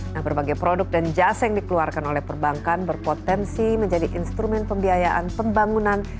nah berbagai produk dan jasa yang dikeluarkan oleh perbankan berpotensi menjadi instrumen pembiayaan pembangunan